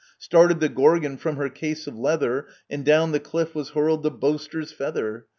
Started the Gorgon from her case of leather, And down the cliff was hurled the Boaster's feather.